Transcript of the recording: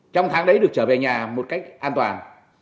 trong tháng đấy được trở về nhà một cách an toàn